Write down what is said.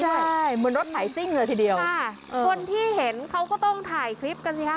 ใช่เหมือนรถไถซิ่งเลยทีเดียวค่ะคนที่เห็นเขาก็ต้องถ่ายคลิปกันสิฮะ